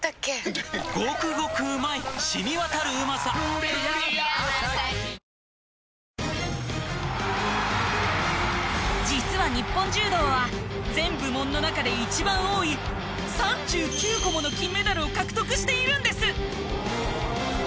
このあとは実は日本柔道は全部門の中で一番多い３９個もの金メダルを獲得しているんです！